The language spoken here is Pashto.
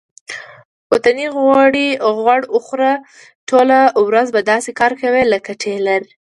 وطني غوړ وخوره ټوله ورځ به داسې کار کوې لکه ټېلر.